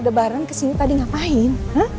alibaran kesini tadi ngapain